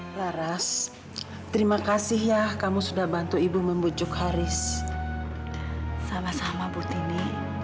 laras terima kasih ya kamu sudah bantu ibu membujuk haris sama sama bu tini